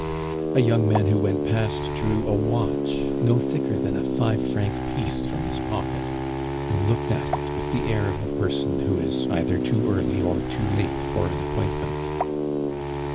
A young man who went past drew a watch no thicker than a five franc piece from his pocket, and looked at it with the air of a person who is either too early or too late for an appointment.